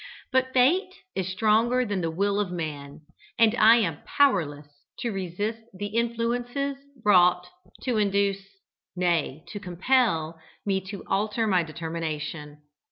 But fate is stronger than the will of man, and I am powerless to resist the influences brought to induce nay, to compel me to alter my determination.